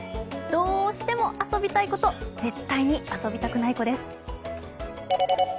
どうしても遊びたい子と絶対に遊びたくない子です。